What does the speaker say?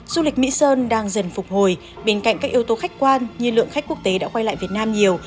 du lịch mỹ sơn đang dần phục hồi bên cạnh các yếu tố khách quan như lượng khách quốc tế đã quay lại việt nam nhiều